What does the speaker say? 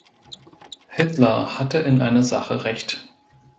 Hitler hatte in einer Sache recht.